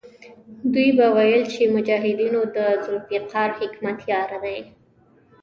دوی به ویل چې مجاهدونو د ذوالفقار حکمتیار دی.